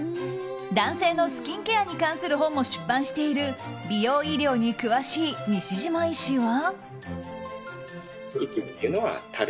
男性のスキンケアに関する本も出版している美容医療に詳しい西嶌医師は。